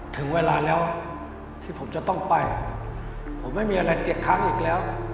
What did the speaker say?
ถึงเวลาแล้วที่ผมจะต้องไปผมไม่มีอะไรเก็บค้างอีกแล้ว